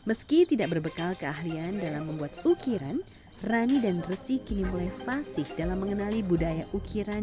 meski tidak berbekal keahlian dalam membuat ukiran rani dan resi kini mulai fasif dalam mengenali budaya ukiran